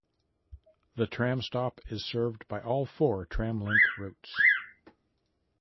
The tram stop is served by all four Tramlink routes.